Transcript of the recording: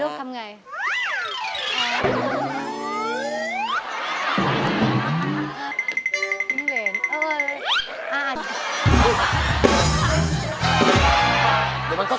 ทำอย่างไรลูกทำอย่างไร